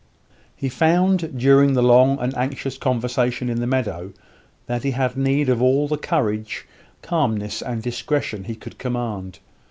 He found, during the long and anxious conversation in the meadow, that he had need of all the courage, calmness, and discretion he could command.